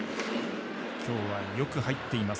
今日は、よく入っています